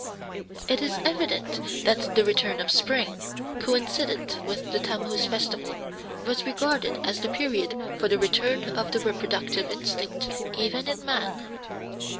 It is evident that the return of spring, coincident with the Tammuz festival, was regarded as the period for the return of the reproductive instinct even in man.